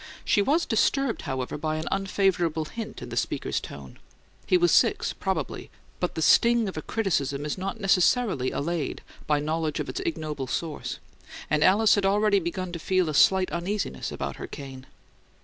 She was disturbed, however, by an unfavourable hint in the speaker's tone. He was six, probably, but the sting of a criticism is not necessarily allayed by knowledge of its ignoble source, and Alice had already begun to feel a slight uneasiness about her cane.